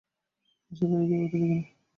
আশা করি কেউ এটা দেখেনি।